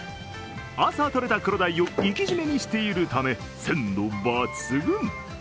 朝とれたクロダイを活きじめにしているため、鮮度抜群。